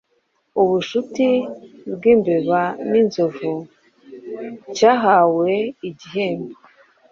Ubucuti bw’imbeba n’inzovu cyahawe igihembo